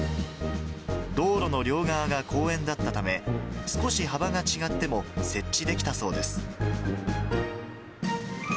道路の両側が公園だったため、少し幅が違っても設置できたそうです。